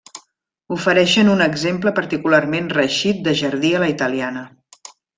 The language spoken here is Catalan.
Ofereixen un exemple particularment reeixit de jardí a la italiana.